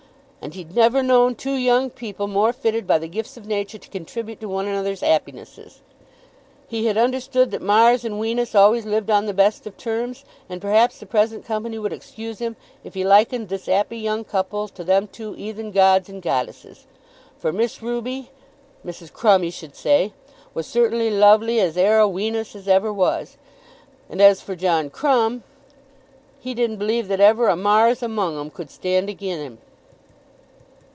"And he'd never known two young people more fitted by the gifts of nature to contribute to one another's 'appinesses. He had understood that Mars and Wenus always lived on the best of terms, and perhaps the present company would excuse him if he likened this 'appy young couple to them two 'eathen gods and goddesses. For Miss Ruby, Mrs. Crumb he should say, was certainly lovely as ere a Wenus as ever was; and as for John Crumb, he didn't believe that ever a Mars among 'em could stand again him.